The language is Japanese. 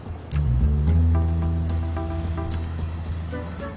うん。